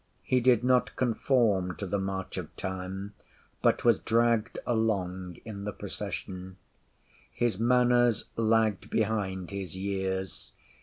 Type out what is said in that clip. He did not conform to the march of time, but was dragged along in the procession. His manners lagged behind his years.